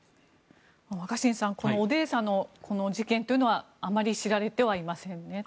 若新さんオデーサの事件というのはあまり知られてはいませんね。